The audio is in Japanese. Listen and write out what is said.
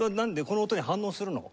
この音に反応するの？